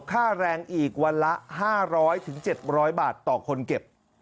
ค่าแรงอีกวันละ๕๐๐๗๐๐บาทต่อคนเก็บ